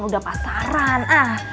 udah pasaran ah